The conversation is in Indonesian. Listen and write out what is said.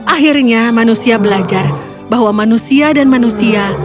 akhirnya manusia belajar bahwa manusia dan manusia